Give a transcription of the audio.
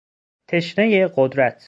تشنهی قدرت